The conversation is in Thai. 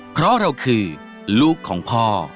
เพราะเราคือลูกของพ่อ